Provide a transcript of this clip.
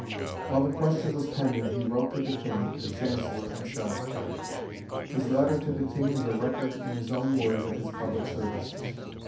While the question was pending, he wrote to the King, the Chancellor, and Salisbury. His letter to the King is a record in his own words of his public services.